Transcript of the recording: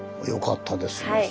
よかったですね